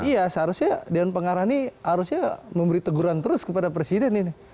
iya seharusnya dewan pengarah ini harusnya memberi teguran terus kepada presiden ini